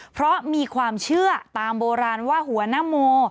เพราะมีความเชื่อตามโบราณว่าหัวนโม